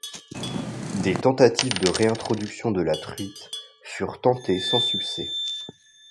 Des tentatives de réintroduction de la truite furent tentées sans succès.